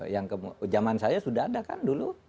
yang zaman saya sudah ada kan dulu